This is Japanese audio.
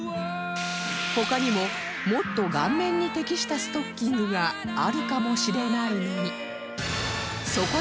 他にももっと顔面に適したストッキングがあるかもしれないのに